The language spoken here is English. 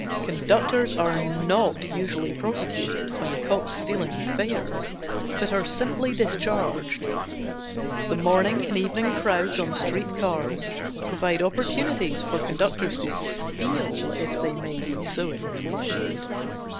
Conductors are not usually prosecuted when caught stealing fares, but are simply discharged. The morning and evening crowds on street cars provide opportunities for conductors to steal, if they may be so inclined.